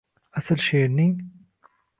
Asl she’rning